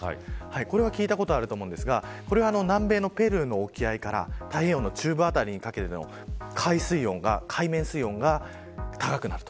これは聞いたことあると思いますが南米のペルーの沖合から太平洋の中部辺りにかけての海水温が高くなる。